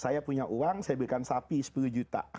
saya punya uang saya berikan sapi sepuluh juta